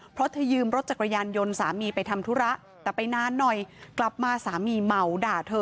เพราะเธอยืมรถจักรยานยนต์สามีไปทำธุระแต่ไปนานหน่อยกลับมาสามีเมาด่าเธอ